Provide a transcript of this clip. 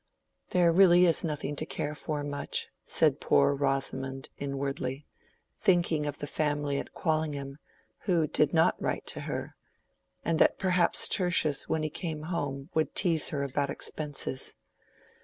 "There really is nothing to care for much," said poor Rosamond inwardly, thinking of the family at Quallingham, who did not write to her; and that perhaps Tertius when he came home would tease her about expenses.